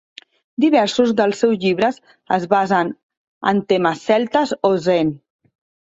Diversos dels seus llibres es basen en temes celtes o zen.